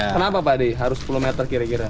kenapa pak di harus sepuluh meter kira kira